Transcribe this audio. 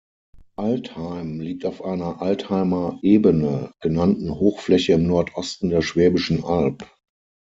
Altheim liegt auf einer "Altheimer Ebene" genannten Hochfläche im Nordosten der Schwäbischen Alb.